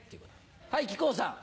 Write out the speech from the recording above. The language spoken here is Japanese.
はい、木久扇さん。